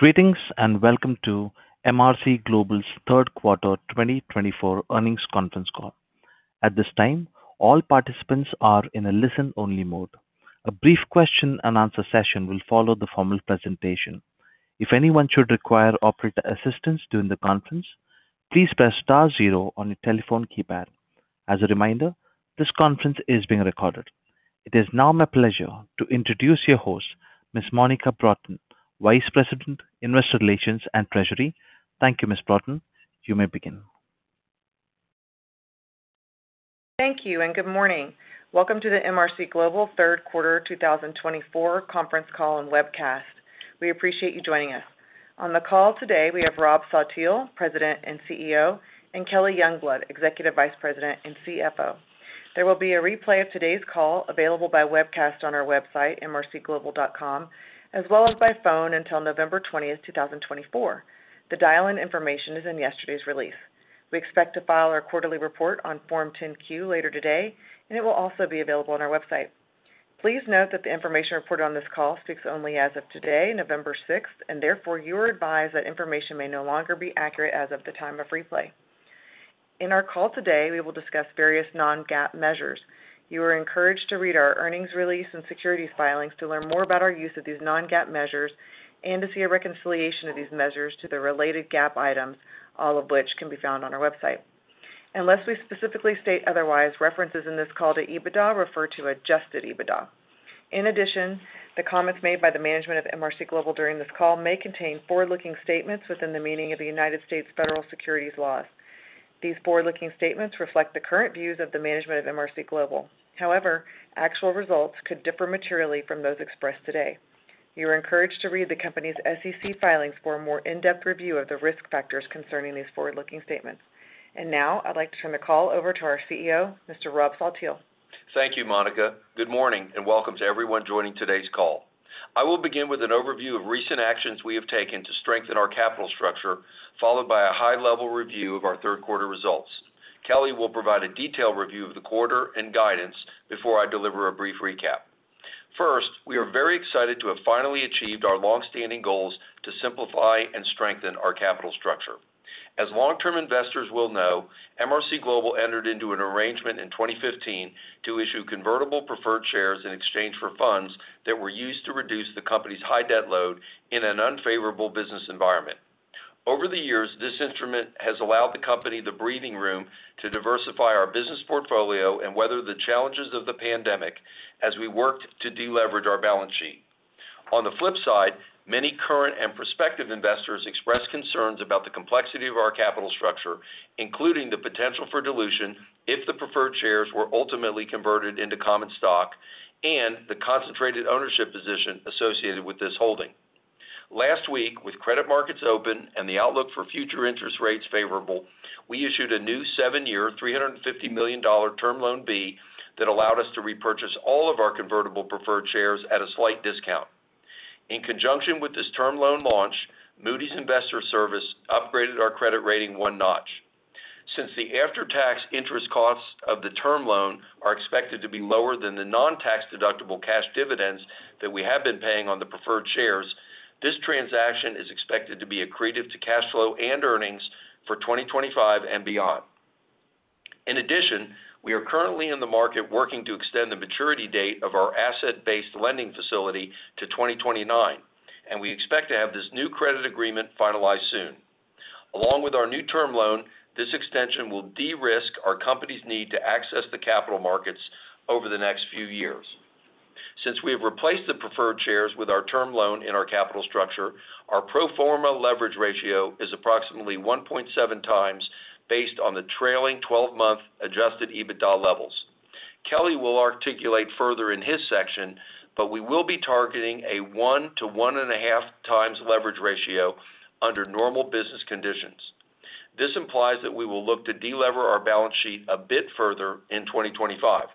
Greetings and welcome to MRC Global's Third Quarter 2024 Earnings Conference Call. At this time, all participants are in a listen-only mode. A brief question-and-answer session will follow the formal presentation. If anyone should require operator assistance during the conference, please press star zero on your telephone keypad. As a reminder, this conference is being recorded. It is now my pleasure to introduce your host, Ms. Monica Broughton, Vice President, Investor Relations and Treasury. Thank you, Ms. Broughton. You may begin. Thank you and good morning. Welcome to the MRC Global Third Quarter 2024 Conference Call and webcast. We appreciate you joining us. On the call today, we have Rob Saltiel, President and CEO, and Kelly Youngblood, Executive Vice President and CFO. There will be a replay of today's call available by webcast on our website, mrcglobal.com, as well as by phone until November 20, 2024. The dial-in information is in yesterday's release. We expect to file our quarterly report on Form 10-Q later today, and it will also be available on our website. Please note that the information reported on this call speaks only as of today, November 6, and therefore you are advised that information may no longer be accurate as of the time of replay. In our call today, we will discuss various non-GAAP measures. You are encouraged to read our earnings release and securities filings to learn more about our use of these non-GAAP measures and to see a reconciliation of these measures to the related GAAP items, all of which can be found on our website. Unless we specifically state otherwise, references in this call to EBITDA refer to adjusted EBITDA. In addition, the comments made by the management of MRC Global during this call may contain forward-looking statements within the meaning of the United States federal securities laws. These forward-looking statements reflect the current views of the management of MRC Global. However, actual results could differ materially from those expressed today. You are encouraged to read the company's SEC filings for a more in-depth review of the risk factors concerning these forward-looking statements, and now I'd like to turn the call over to our CEO, Mr. Rob Saltiel. Thank you, Monica. Good morning and welcome to everyone joining today's call. I will begin with an overview of recent actions we have taken to strengthen our capital structure, followed by a high-level review of our third quarter results. Kelly will provide a detailed review of the quarter and guidance before I deliver a brief recap. First, we are very excited to have finally achieved our long-standing goals to simplify and strengthen our capital structure. As long-term investors will know, MRC Global entered into an arrangement in 2015 to issue convertible preferred shares in exchange for funds that were used to reduce the company's high debt load in an unfavorable business environment. Over the years, this instrument has allowed the company the breathing room to diversify our business portfolio and weather the challenges of the pandemic as we worked to deleverage our balance sheet. On the flip side, many current and prospective investors expressed concerns about the complexity of our capital structure, including the potential for dilution if the preferred shares were ultimately converted into common stock and the concentrated ownership position associated with this holding. Last week, with credit markets open and the outlook for future interest rates favorable, we issued a new seven-year, $350 million Term Loan B that allowed us to repurchase all of our convertible preferred shares at a slight discount. In conjunction with this term loan launch, Moody's Investors Service upgraded our credit rating one notch. Since the after-tax interest costs of the term loan are expected to be lower than the non-tax-deductible cash dividends that we have been paying on the preferred shares, this transaction is expected to be accretive to cash flow and earnings for 2025 and beyond. In addition, we are currently in the market working to extend the maturity date of our asset-based lending facility to 2029, and we expect to have this new credit agreement finalized soon. Along with our new term loan, this extension will de-risk our company's need to access the capital markets over the next few years. Since we have replaced the preferred shares with our term loan in our capital structure, our pro forma leverage ratio is approximately 1.7 times based on the trailing 12-month adjusted EBITDA levels. Kelly will articulate further in his section, but we will be targeting a one to one and a half times leverage ratio under normal business conditions. This implies that we will look to delever our balance sheet a bit further in 2025.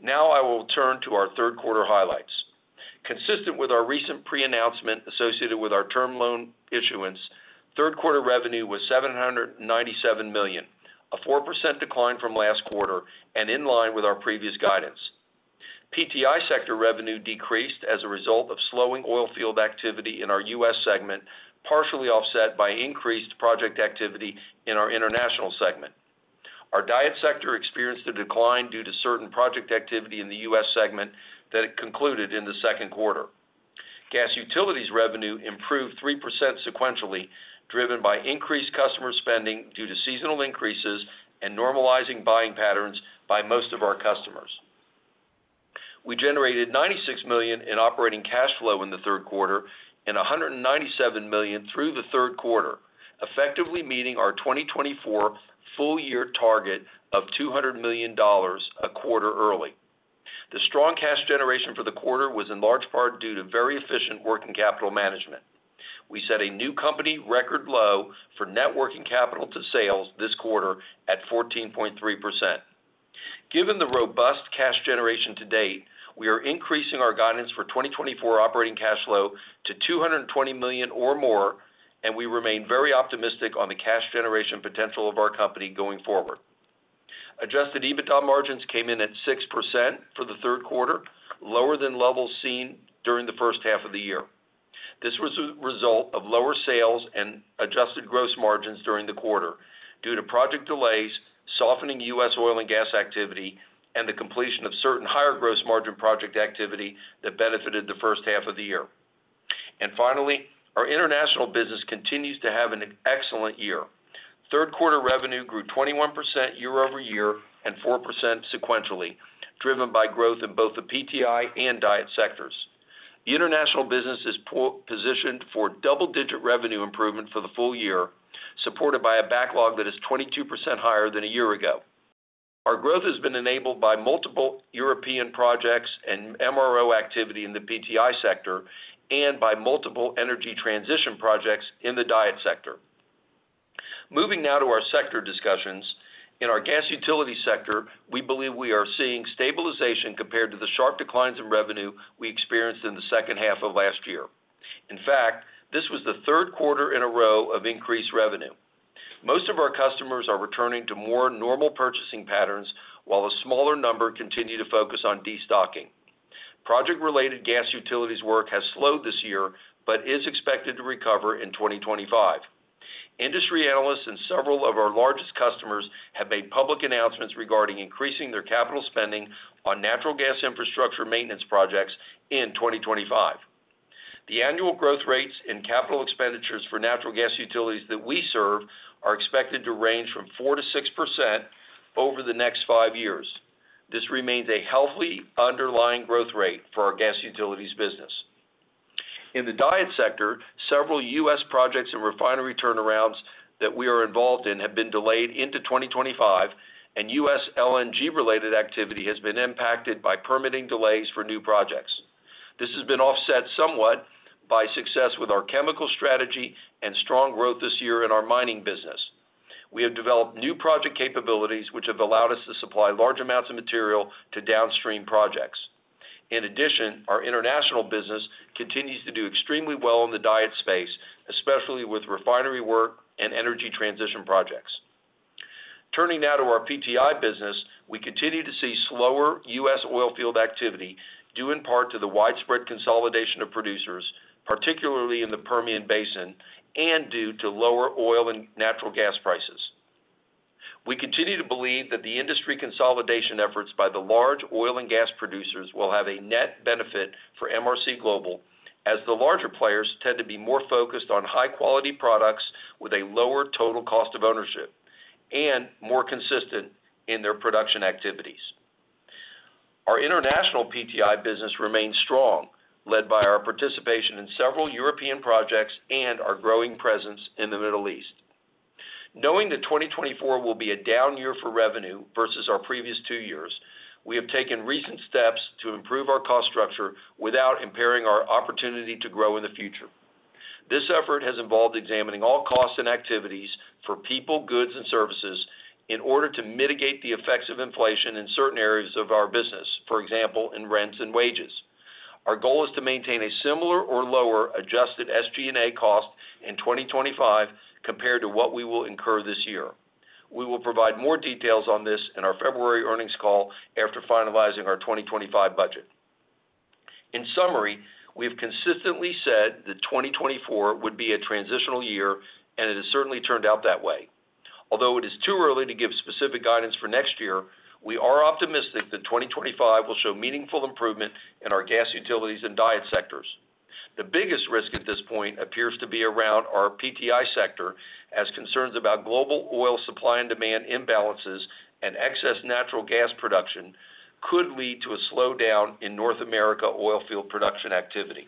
Now, I will turn to our third quarter highlights. Consistent with our recent pre-announcement associated with our term loan issuance, third quarter revenue was $797 million, a 4% decline from last quarter and in line with our previous guidance. PTI sector revenue decreased as a result of slowing oil field activity in our U.S. segment, partially offset by increased project activity in our international segment. Our DIET sector experienced a decline due to certain project activity in the U.S. segment that it concluded in the second quarter. Gas utilities revenue improved 3% sequentially, driven by increased customer spending due to seasonal increases and normalizing buying patterns by most of our customers. We generated $96 million in operating cash flow in the third quarter and $197 million through the third quarter, effectively meeting our 2024 full-year target of $200 million a quarter early. The strong cash generation for the quarter was in large part due to very efficient working capital management. We set a new company record low for net working capital to sales this quarter at 14.3%. Given the robust cash generation to date, we are increasing our guidance for 2024 operating cash flow to $220 million or more, and we remain very optimistic on the cash generation potential of our company going forward. Adjusted EBITDA margins came in at 6% for the third quarter, lower than levels seen during the first half of the year. This was a result of lower sales and adjusted gross margins during the quarter due to project delays, softening U.S. oil and gas activity, and the completion of certain higher gross margin project activity that benefited the first half of the year, and finally, our international business continues to have an excellent year. Third quarter revenue grew 21% year over year and 4% sequentially, driven by growth in both the PTI and DIET sectors. The international business is positioned for double-digit revenue improvement for the full year, supported by a backlog that is 22% higher than a year ago. Our growth has been enabled by multiple European projects and MRO activity in the PTI sector and by multiple energy transition projects in the DIET sector. Moving now to our sector discussions. In our gas utility sector, we believe we are seeing stabilization compared to the sharp declines in revenue we experienced in the second half of last year. In fact, this was the third quarter in a row of increased revenue. Most of our customers are returning to more normal purchasing patterns, while a smaller number continue to focus on destocking. Project-related gas utilities work has slowed this year but is expected to recover in 2025. Industry analysts and several of our largest customers have made public announcements regarding increasing their capital spending on natural gas infrastructure maintenance projects in 2025. The annual growth rates in capital expenditures for natural gas utilities that we serve are expected to range from 4% to 6% over the next five years. This remains a healthy underlying growth rate for our gas utilities business. In the DIET sector, several U.S. projects and refinery turnarounds that we are involved in have been delayed into 2025, and U.S. LNG-related activity has been impacted by permitting delays for new projects. This has been offset somewhat by success with our chemical strategy and strong growth this year in our mining business. We have developed new project capabilities, which have allowed us to supply large amounts of material to downstream projects. In addition, our international business continues to do extremely well in the DIET space, especially with refinery work and energy transition projects. Turning now to our PTI business, we continue to see slower U.S. oil field activity due in part to the widespread consolidation of producers, particularly in the Permian Basin, and due to lower oil and natural gas prices. We continue to believe that the industry consolidation efforts by the large oil and gas producers will have a net benefit for MRC Global, as the larger players tend to be more focused on high-quality products with a lower total cost of ownership and more consistent in their production activities. Our international PTI business remains strong, led by our participation in several European projects and our growing presence in the Middle East. Knowing that 2024 will be a down year for revenue versus our previous two years, we have taken recent steps to improve our cost structure without impairing our opportunity to grow in the future. This effort has involved examining all costs and activities for people, goods, and services in order to mitigate the effects of inflation in certain areas of our business, for example, in rents and wages. Our goal is to maintain a similar or lower adjusted SG&A cost in 2025 compared to what we will incur this year. We will provide more details on this in our February earnings call after finalizing our 2025 budget. In summary, we have consistently said that 2024 would be a transitional year, and it has certainly turned out that way. Although it is too early to give specific guidance for next year, we are optimistic that 2025 will show meaningful improvement in our gas utilities and DIET sectors. The biggest risk at this point appears to be around our PTI sector, as concerns about global oil supply and demand imbalances and excess natural gas production could lead to a slowdown in North America oil field production activity.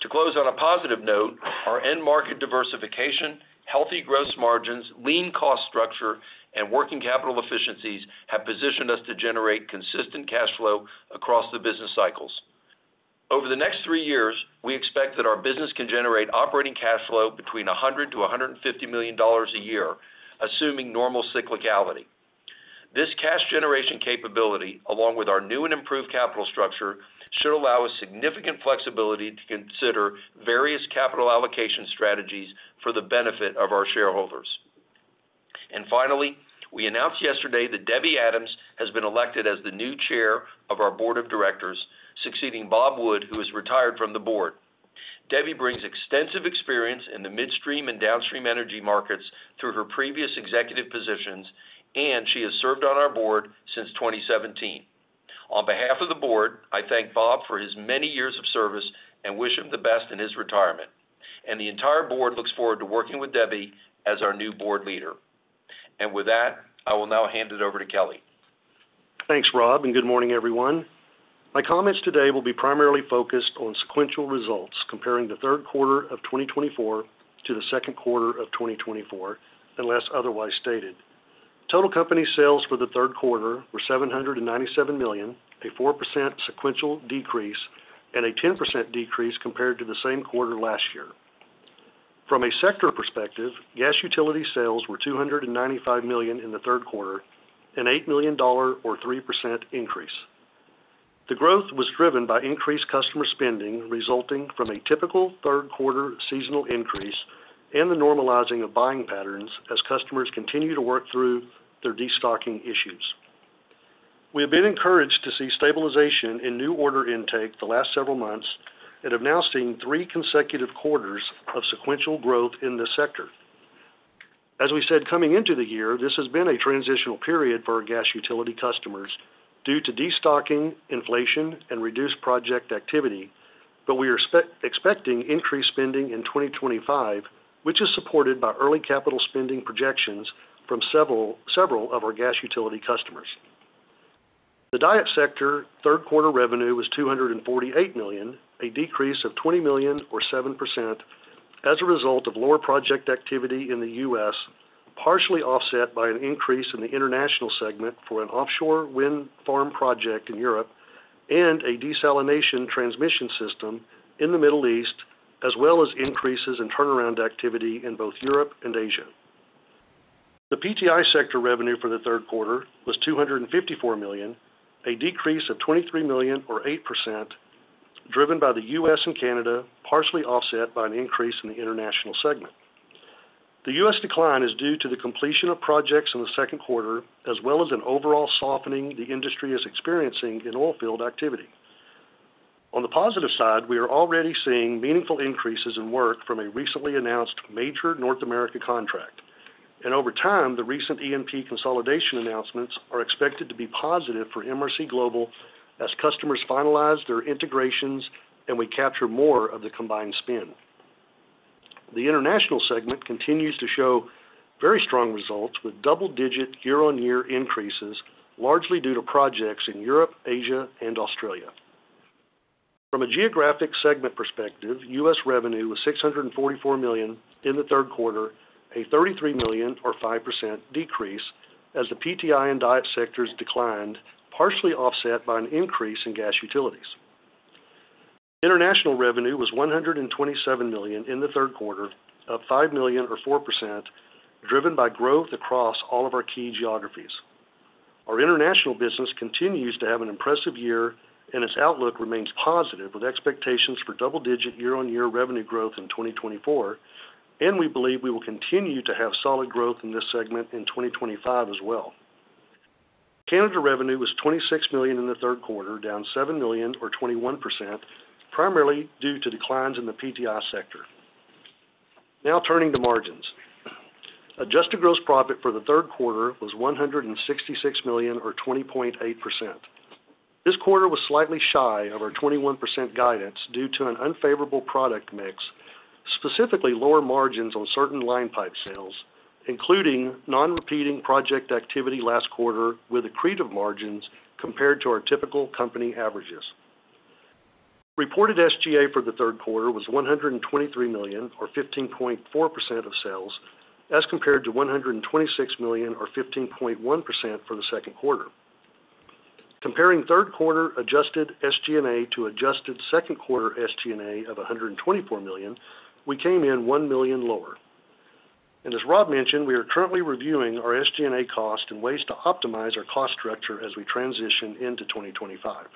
To close on a positive note, our end-market diversification, healthy gross margins, lean cost structure, and working capital efficiencies have positioned us to generate consistent cash flow across the business cycles. Over the next three years, we expect that our business can generate operating cash flow between $100-$150 million a year, assuming normal cyclicality. This cash generation capability, along with our new and improved capital structure, should allow us significant flexibility to consider various capital allocation strategies for the benefit of our shareholders. And finally, we announced yesterday that Debbie Adams has been elected as the new Chair of our Board of Directors, succeeding Bob Wood, who has retired from the Board. Debbie brings extensive experience in the midstream and downstream energy markets through her previous executive positions, and she has served on our Board since 2017. On behalf of the Board, I thank Bob for his many years of service and wish him the best in his retirement. And the entire Board looks forward to working with Debbie as our new Board leader. And with that, I will now hand it over to Kelly. Thanks, Rob, and good morning, everyone. My comments today will be primarily focused on sequential results comparing the third quarter of 2024 to the second quarter of 2024, unless otherwise stated. Total company sales for the third quarter were $797 million, a 4% sequential decrease, and a 10% decrease compared to the same quarter last year. From a sector perspective, gas utility sales were $295 million in the third quarter, an $8 million, or 3% increase. The growth was driven by increased customer spending resulting from a typical third quarter seasonal increase and the normalizing of buying patterns as customers continue to work through their destocking issues. We have been encouraged to see stabilization in new order intake the last several months and have now seen three consecutive quarters of sequential growth in this sector. As we said coming into the year, this has been a transitional period for our gas utility customers due to destocking, inflation, and reduced project activity, but we are expecting increased spending in 2025, which is supported by early capital spending projections from several of our gas utility customers. The DIET sector third quarter revenue was $248 million, a decrease of $20 million, or 7%, as a result of lower project activity in the U.S., partially offset by an increase in the international segment for an offshore wind farm project in Europe and a desalination transmission system in the Middle East, as well as increases in turnaround activity in both Europe and Asia. The PTI sector revenue for the third quarter was $254 million, a decrease of $23 million, or 8%, driven by the U.S. and Canada, partially offset by an increase in the international segment. The U.S. decline is due to the completion of projects in the second quarter, as well as an overall softening the industry is experiencing in oil field activity. On the positive side, we are already seeing meaningful increases in work from a recently announced major North America contract. And over time, the recent E&P consolidation announcements are expected to be positive for MRC Global as customers finalize their integrations and we capture more of the combined spend. The international segment continues to show very strong results with double-digit year-on-year increases, largely due to projects in Europe, Asia, and Australia. From a geographic segment perspective, U.S. revenue was $644 million in the third quarter, a $33 million, or 5%, decrease as the PTI and DIET sectors declined, partially offset by an increase in gas utilities. International revenue was $127 million in the third quarter, up $5 million, or 4%, driven by growth across all of our key geographies. Our international business continues to have an impressive year, and its outlook remains positive with expectations for double-digit year-on-year revenue growth in 2024, and we believe we will continue to have solid growth in this segment in 2025 as well. Canada revenue was $26 million in the third quarter, down $7 million, or 21%, primarily due to declines in the PTI sector. Now turning to margins. Adjusted gross profit for the third quarter was $166 million, or 20.8%. This quarter was slightly shy of our 21% guidance due to an unfavorable product mix, specifically lower margins on certain line pipe sales, including non-repeating project activity last quarter with accretive margins compared to our typical company averages. Reported SG&A for the third quarter was $123 million, or 15.4% of sales, as compared to $126 million, or 15.1% for the second quarter. Comparing third quarter adjusted SG&A to adjusted second quarter SG&A of $124 million, we came in $1 million lower. And as Rob mentioned, we are currently reviewing our SG&A cost and ways to optimize our cost structure as we transition into 2025.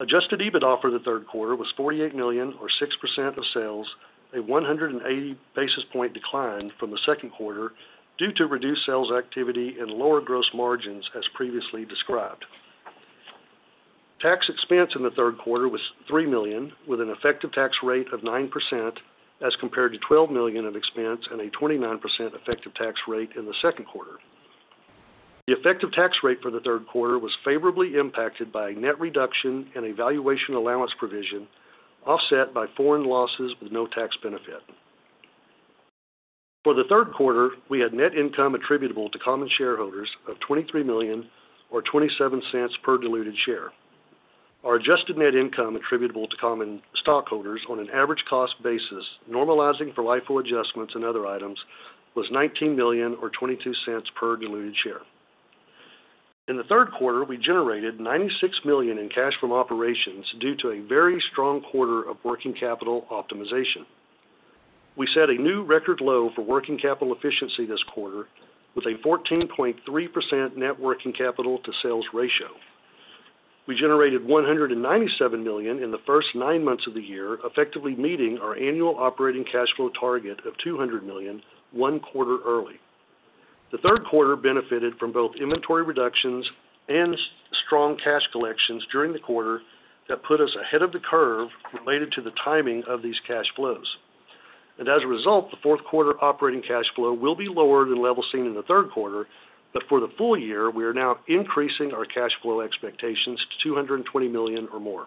Adjusted EBITDA for the third quarter was $48 million, or 6% of sales, a 180 basis point decline from the second quarter due to reduced sales activity and lower gross margins as previously described. Tax expense in the third quarter was $3 million, with an effective tax rate of 9% as compared to $12 million of expense and a 29% effective tax rate in the second quarter. The effective tax rate for the third quarter was favorably impacted by a net reduction in a valuation allowance provision offset by foreign losses with no tax benefit. For the third quarter, we had net income attributable to common shareholders of $23 million, or $0.27 per diluted share. Our adjusted net income attributable to common stockholders on an average cost basis, normalizing for LIFO adjustments and other items, was $19 million, or $0.22 per diluted share. In the third quarter, we generated $96 million in cash from operations due to a very strong quarter of working capital optimization. We set a new record low for working capital efficiency this quarter with a 14.3% net working capital to sales ratio. We generated $197 million in the first nine months of the year, effectively meeting our annual operating cash flow target of $200 million one quarter early. The third quarter benefited from both inventory reductions and strong cash collections during the quarter that put us ahead of the curve related to the timing of these cash flows. And as a result, the fourth quarter operating cash flow will be lower than levels seen in the third quarter, but for the full year, we are now increasing our cash flow expectations to $220 million or more.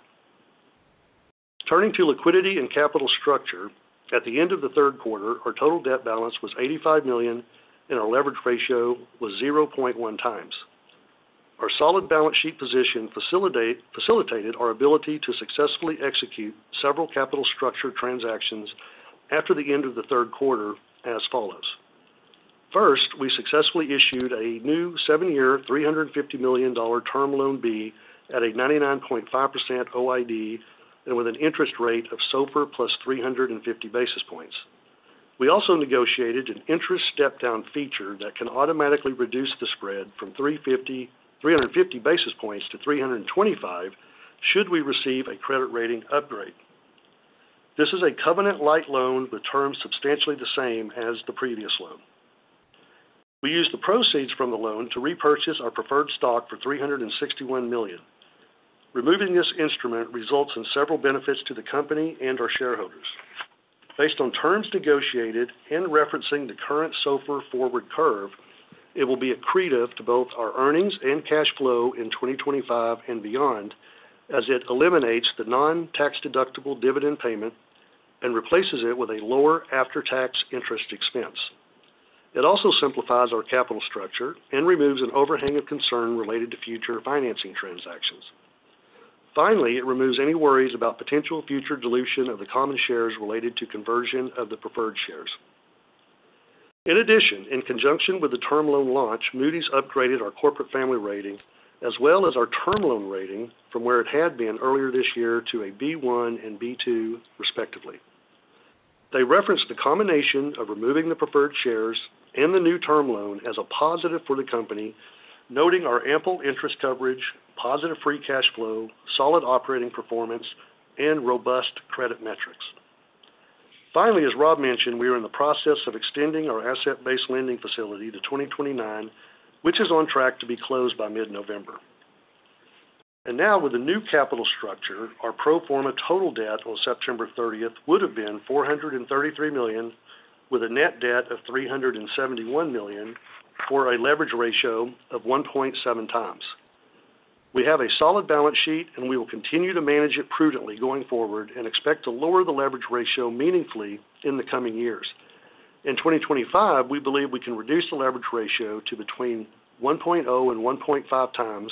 Turning to liquidity and capital structure, at the end of the third quarter, our total debt balance was $85 million, and our leverage ratio was 0.1 times. Our solid balance sheet position facilitated our ability to successfully execute several capital structure transactions after the end of the third quarter as follows. First, we successfully issued a new seven-year $350 million Term Loan B at a 99.5% OID and with an interest rate of SOFR plus 350 basis points. We also negotiated an interest step-down feature that can automatically reduce the spread from 350 basis points to 325 should we receive a credit rating upgrade. This is a covenant-lite loan with terms substantially the same as the previous loan. We used the proceeds from the loan to repurchase our preferred stock for $361 million. Removing this instrument results in several benefits to the company and our shareholders. Based on terms negotiated and referencing the current SOFR forward curve, it will be accretive to both our earnings and cash flow in 2025 and beyond as it eliminates the non-tax deductible dividend payment and replaces it with a lower after-tax interest expense. It also simplifies our capital structure and removes an overhang of concern related to future financing transactions. Finally, it removes any worries about potential future dilution of the common shares related to conversion of the preferred shares. In addition, in conjunction with the term loan launch, Moody's upgraded our corporate family rating as well as our term loan rating from where it had been earlier this year to a B1 and B2, respectively. They referenced the combination of removing the preferred shares and the new term loan as a positive for the company, noting our ample interest coverage, positive free cash flow, solid operating performance, and robust credit metrics. Finally, as Rob mentioned, we are in the process of extending our asset-based lending facility to 2029, which is on track to be closed by mid-November. And now, with the new capital structure, our pro forma total debt on September 30th would have been $433 million, with a net debt of $371 million for a leverage ratio of 1.7 times. We have a solid balance sheet, and we will continue to manage it prudently going forward and expect to lower the leverage ratio meaningfully in the coming years. In 2025, we believe we can reduce the leverage ratio to between 1.0 and 1.5 times,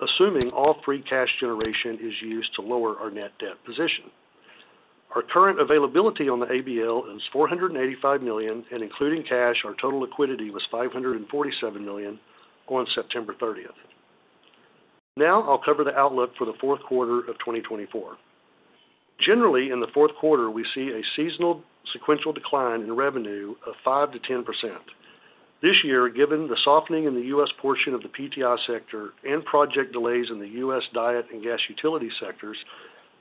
assuming all free cash generation is used to lower our net debt position. Our current availability on the ABL is $485 million, and including cash, our total liquidity was $547 million on September 30th. Now, I'll cover the outlook for the fourth quarter of 2024. Generally, in the fourth quarter, we see a seasonal sequential decline in revenue of 5%-10%. This year, given the softening in the U.S. portion of the PTI sector and project delays in the U.S. DIET and gas utility sectors,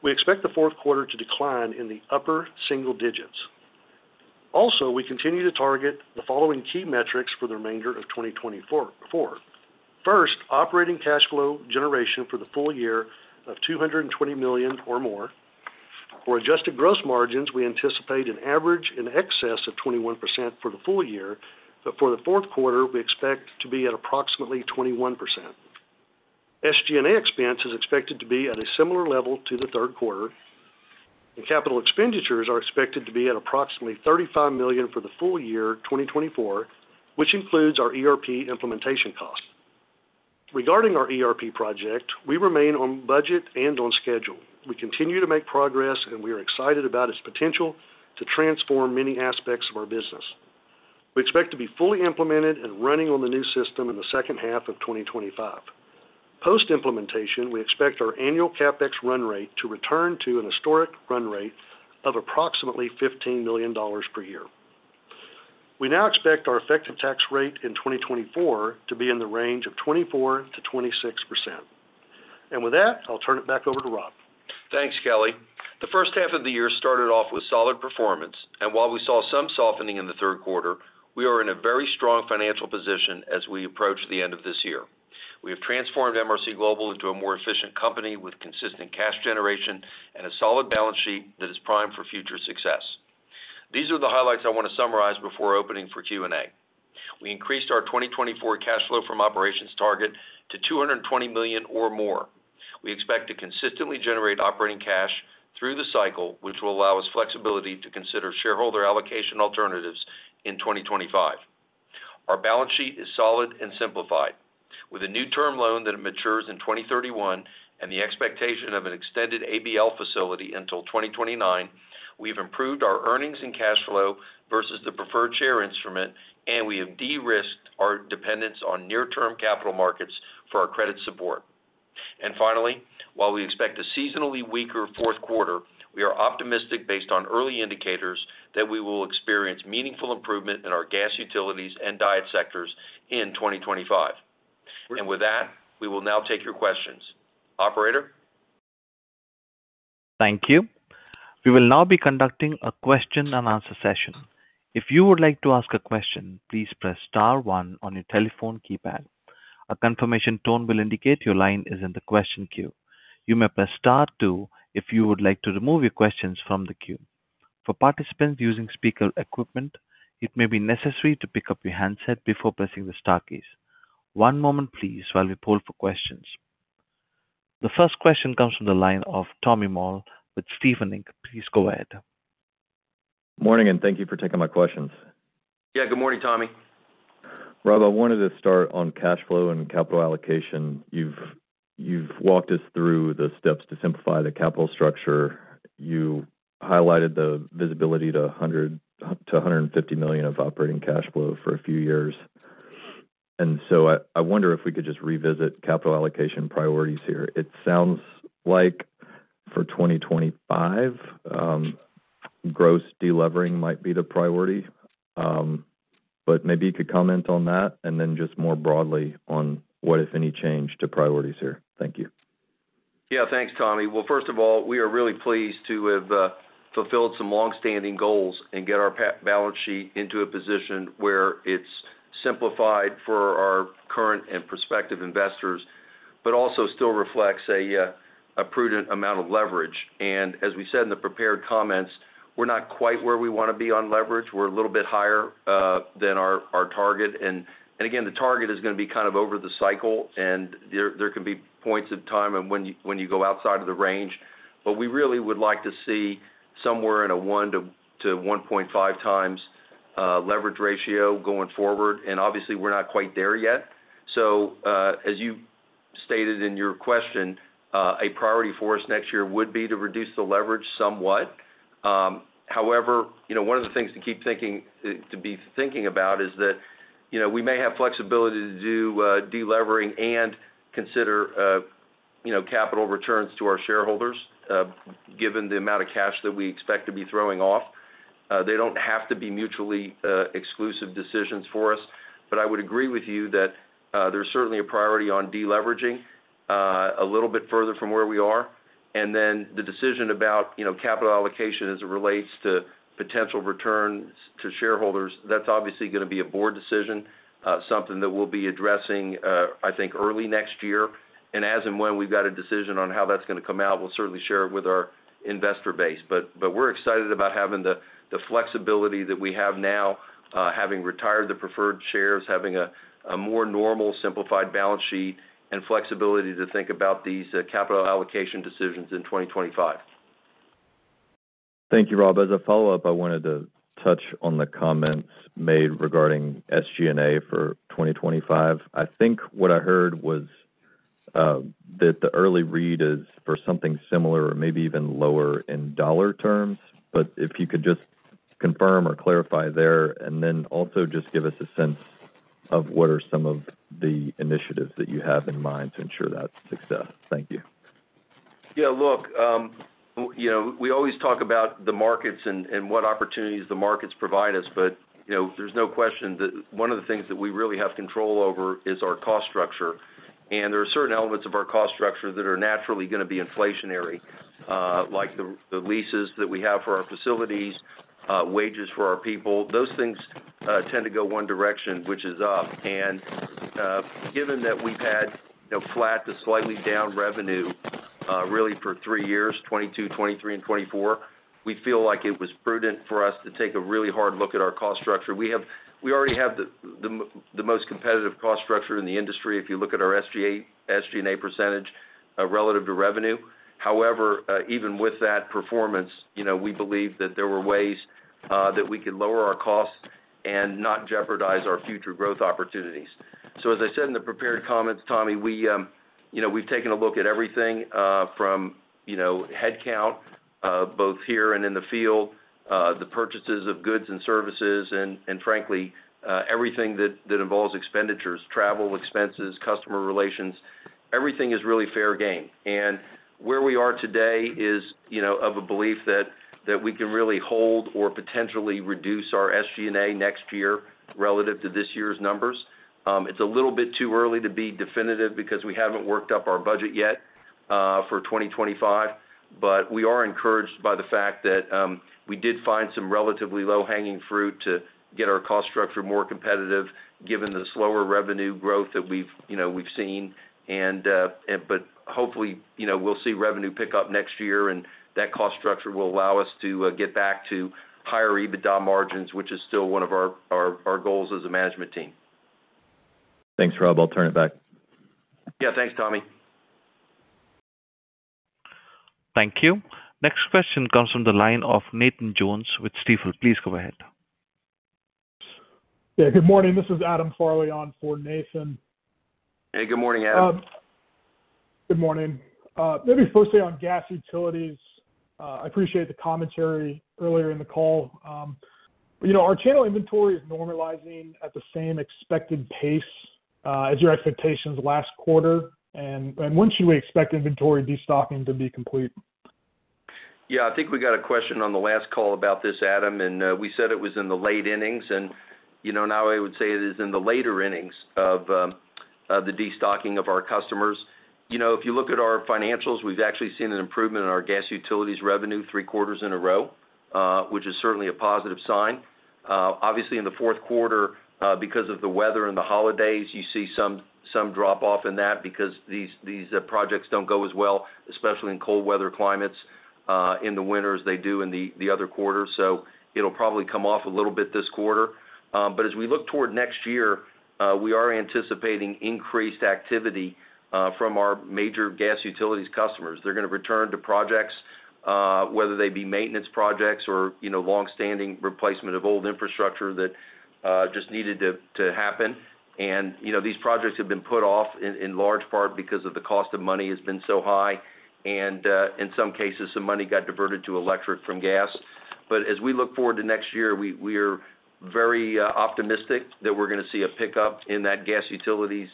we expect the fourth quarter to decline in the upper single digits. Also, we continue to target the following key metrics for the remainder of 2024. First, operating cash flow generation for the full year of $220 million or more. For adjusted gross margins, we anticipate an average in excess of 21% for the full year, but for the fourth quarter, we expect to be at approximately 21%. SG&A expense is expected to be at a similar level to the third quarter, and capital expenditures are expected to be at approximately $35 million for the full year 2024, which includes our ERP implementation cost. Regarding our ERP project, we remain on budget and on schedule. We continue to make progress, and we are excited about its potential to transform many aspects of our business. We expect to be fully implemented and running on the new system in the second half of 2025. Post-implementation, we expect our annual CapEx run rate to return to a historic run rate of approximately $15 million per year. We now expect our effective tax rate in 2024 to be in the range of 24%-26%. And with that, I'll turn it back over to Rob. Thanks, Kelly. The first half of the year started off with solid performance, and while we saw some softening in the third quarter, we are in a very strong financial position as we approach the end of this year. We have transformed MRC Global into a more efficient company with consistent cash generation and a solid balance sheet that is primed for future success. These are the highlights I want to summarize before opening for Q&A. We increased our 2024 cash flow from operations target to $220 million or more. We expect to consistently generate operating cash through the cycle, which will allow us flexibility to consider shareholder allocation alternatives in 2025. Our balance sheet is solid and simplified. With a new term loan that matures in 2031 and the expectation of an extended ABL facility until 2029, we have improved our earnings and cash flow versus the preferred share instrument, and we have de-risked our dependence on near-term capital markets for our credit support. And finally, while we expect a seasonally weaker fourth quarter, we are optimistic based on early indicators that we will experience meaningful improvement in our gas utilities and DIET sectors in 2025. And with that, we will now take your questions. Operator. Thank you. We will now be conducting a question and answer session. If you would like to ask a question, please press Star 1 on your telephone keypad. A confirmation tone will indicate your line is in the question queue. You may press star 2 if you would like to remove your questions from the queue. For participants using speaker equipment, it may be necessary to pick up your handset before pressing the star keys. One moment, please, while we poll for questions. The first question comes from the line of Tommy Moll with Stephens Inc. Please go ahead. Good morning, and thank you for taking my questions. Yeah, good morning, Tommy. Rob, I wanted to start on cash flow and capital allocation. You've walked us through the steps to simplify the capital structure. You highlighted the visibility to $150 million of operating cash flow for a few years. And so I wonder if we could just revisit capital allocation priorities here. It sounds like for 2025, debt deleveraging might be the priority. But maybe you could comment on that and then just more broadly on what, if any, changed to priorities here. Thank you. Yeah, thanks, Tommy. Well, first of all, we are really pleased to have fulfilled some long-standing goals and get our balance sheet into a position where it's simplified for our current and prospective investors, but also still reflects a prudent amount of leverage. And as we said in the prepared comments, we're not quite where we want to be on leverage. We're a little bit higher than our target. And again, the target is going to be kind of over the cycle, and there can be points of time when you go outside of the range. But we really would like to see somewhere in a 1-1.5 times leverage ratio going forward. And obviously, we're not quite there yet. So as you stated in your question, a priority for us next year would be to reduce the leverage somewhat. However, one of the things to keep thinking about is that we may have flexibility to do deleveraging and consider capital returns to our shareholders given the amount of cash that we expect to be throwing off. They don't have to be mutually exclusive decisions for us. But I would agree with you that there's certainly a priority on deleveraging a little bit further from where we are. And then the decision about capital allocation as it relates to potential returns to shareholders, that's obviously going to be a board decision, something that we'll be addressing, I think, early next year. And as and when we've got a decision on how that's going to come out, we'll certainly share it with our investor base. But we're excited about having the flexibility that we have now, having retired the preferred shares, having a more normal simplified balance sheet, and flexibility to think about these capital allocation decisions in 2025. Thank you, Rob. As a follow-up, I wanted to touch on the comments made regarding SG&A for 2025. I think what I heard was that the early read is for something similar or maybe even lower in dollar terms. But if you could just confirm or clarify there and then also just give us a sense of what are some of the initiatives that you have in mind to ensure that success. Thank you. Yeah, look, we always talk about the markets and what opportunities the markets provide us, but there's no question that one of the things that we really have control over is our cost structure. There are certain elements of our cost structure that are naturally going to be inflationary, like the leases that we have for our facilities, wages for our people. Those things tend to go one direction, which is up. Given that we've had flat to slightly down revenue really for three years, 2022, 2023, and 2024, we feel like it was prudent for us to take a really hard look at our cost structure. We already have the most competitive cost structure in the industry if you look at our SG&A percentage relative to revenue. However, even with that performance, we believe that there were ways that we could lower our costs and not jeopardize our future growth opportunities. As I said in the prepared comments, Tommy, we've taken a look at everything from headcount, both here and in the field, the purchases of goods and services, and frankly, everything that involves expenditures, travel expenses, customer relations. Everything is really fair game. Where we are today is of a belief that we can really hold or potentially reduce our SG&A next year relative to this year's numbers. It's a little bit too early to be definitive because we haven't worked up our budget yet for 2025. We are encouraged by the fact that we did find some relatively low hanging fruit to get our cost structure more competitive given the slower revenue growth that we've seen. But hopefully, we'll see revenue pick up next year, and that cost structure will allow us to get back to higher EBITDA margins, which is still one of our goals as a management team. Thanks, Rob. I'll turn it back. Yeah, thanks, Tommy. Thank you. Next question comes from the line of Nathan Jones with Stifel. Please go ahead. Yeah, good morning. This is Adam Farley on for Nathan. Hey, good morning, Adam. Good morning. Maybe firstly on gas utilities. I appreciate the commentary earlier in the call. Our channel inventory is normalizing at the same expected pace as your expectations last quarter. And when should we expect inventory destocking to be complete? Yeah, I think we got a question on the last call about this, Adam, and we said it was in the late innings. And now I would say it is in the later innings of the destocking of our customers. If you look at our financials, we've actually seen an improvement in our gas utilities revenue three quarters in a row, which is certainly a positive sign. Obviously, in the fourth quarter, because of the weather and the holidays, you see some drop-off in that because these projects don't go as well, especially in cold weather climates in the winter as they do in the other quarter. So it'll probably come off a little bit this quarter. But as we look toward next year, we are anticipating increased activity from our major gas utilities customers. They're going to return to projects, whether they be maintenance projects or long-standing replacement of old infrastructure that just needed to happen. These projects have been put off in large part because the cost of money has been so high. And in some cases, some money got diverted to electric from gas. But as we look forward to next year, we are very optimistic that we're going to see a pickup in that gas utilities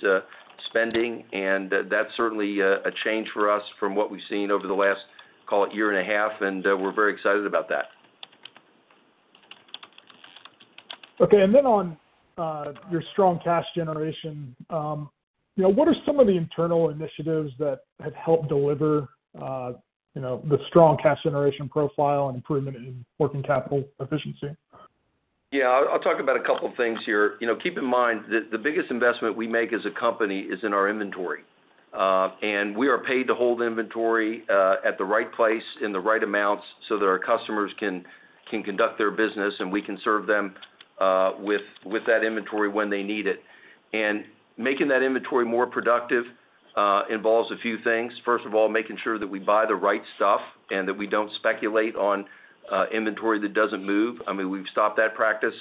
spending. And that's certainly a change for us from what we've seen over the last, call it, year and a half. And we're very excited about that. Okay. And then on your strong cash generation, what are some of the internal initiatives that have helped deliver the strong cash generation profile and improvement in working capital efficiency? Yeah, I'll talk about a couple of things here. Keep in mind that the biggest investment we make as a company is in our inventory. And we are paid to hold inventory at the right place in the right amounts so that our customers can conduct their business and we can serve them with that inventory when they need it. And making that inventory more productive involves a few things. First of all, making sure that we buy the right stuff and that we don't speculate on inventory that doesn't move. I mean, we've stopped that practice.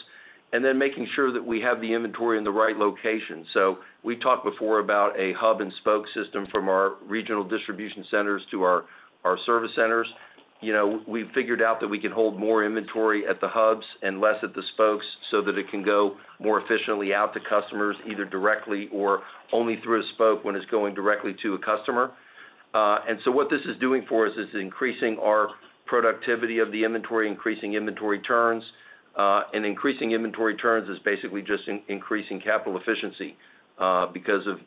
And then making sure that we have the inventory in the right location. So we talked before about a hub and spoke system from our regional distribution centers to our service centers. We've figured out that we can hold more inventory at the hubs and less at the spokes so that it can go more efficiently out to customers either directly or only through a spoke when it's going directly to a customer. And so what this is doing for us is increasing our productivity of the inventory, increasing inventory turns. And increasing inventory turns is basically just increasing capital efficiency because of,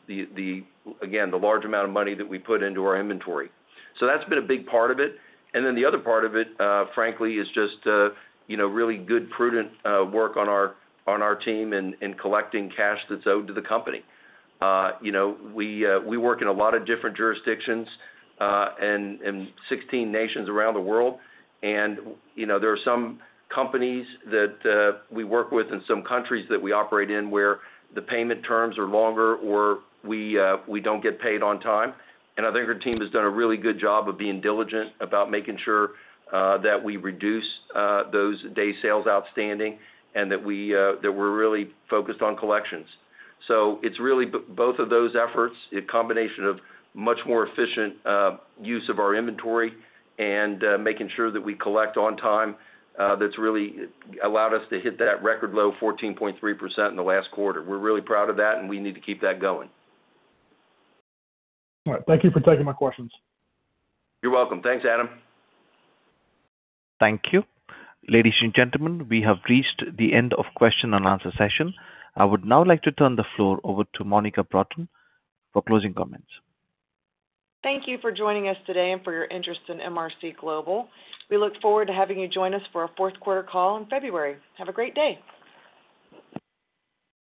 again, the large amount of money that we put into our inventory. So that's been a big part of it. And then the other part of it, frankly, is just really good, prudent work on our team in collecting cash that's owed to the company. We work in a lot of different jurisdictions and 16 nations around the world. And there are some companies that we work with and some countries that we operate in where the payment terms are longer or we don't get paid on time. And I think our team has done a really good job of being diligent about making sure that we reduce those Days Sales Outstanding and that we're really focused on collections. So it's really both of those efforts, a combination of much more efficient use of our inventory and making sure that we collect on time that's really allowed us to hit that record low of 14.3% in the last quarter. We're really proud of that, and we need to keep that going. All right. Thank you for taking my questions. You're welcome. Thanks, Adam. Thank you. Ladies and gentlemen, we have reached the end of the question and answer session. I would now like to turn the floor over to Monica Broughton for closing comments. Thank you for joining us today and for your interest in MRC Global. We look forward to having you join us for our fourth quarter call in February. Have a great day.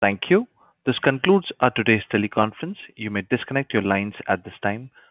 Thank you. This concludes our today's teleconference. You may disconnect your lines at this time.